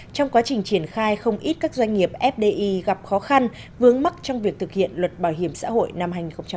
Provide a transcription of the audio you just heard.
trong quá trình triển khai không ít các doanh nghiệp fdi gặp khó khăn vướng mắt trong việc thực hiện luật bảo hiểm xã hội năm hai nghìn một mươi ba